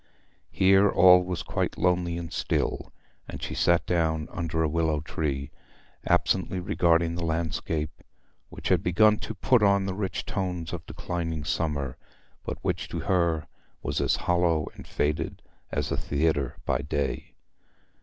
Here all was quite lonely and still, and she sat down under a willow tree, absently regarding the landscape, which had begun to put on the rich tones of declining summer, but which to her was as hollow and faded as a theatre by day.